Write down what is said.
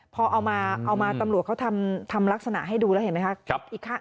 พอเอามาเอามาตำรวจเขาทำลักษณะให้ดูแล้วเห็นไหมคะ